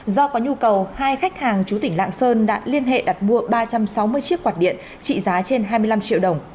do có nhu cầu hai khách hàng chú tỉnh lạng sơn đã liên hệ đặt mua ba trăm sáu mươi chiếc quạt điện trị giá trên hai mươi năm triệu đồng